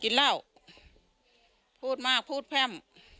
กินเหล้าพูดมากพูดแพร่ม